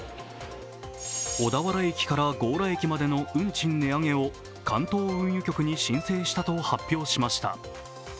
小田原駅から強羅駅までの運賃値上げを関東運輸局に申請したと発表しました。